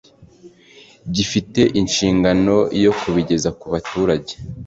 gifite inshingano yo kubigeza ku baturage